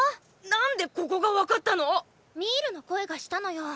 何でここが分かったの⁉ミールの声がしたのよ。